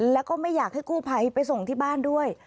แล้วก็ไม่อยากให้กู้ภัยไปส่งที่บ้านด้วย